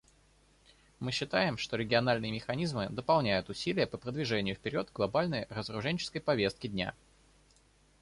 Мы считаем, что региональные механизмы дополняют усилия по продвижению вперед глобальной разоруженческой повестки дня.